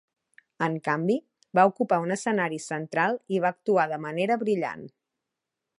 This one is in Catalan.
En canvi, va ocupar un escenari central i va actuar de manera brillant.